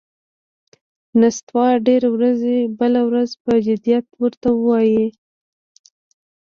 نستوه ډېر ورځي، بله ورځ پهٔ جدیت ور ته وايي: